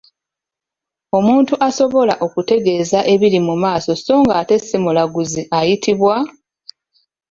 Omuntu asobola okukutegeeza ebiri mu maaso so ng'ate si mulaguzi ayitibwa?